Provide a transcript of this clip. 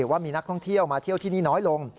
ว่ามีนักท่องเที่ยวมาเที่ยวที่นี่น้อยลง